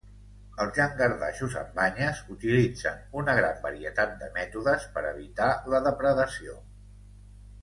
Els llangardaixos amb banyes utilitzen una gran varietat de mètodes per evitar la depredació.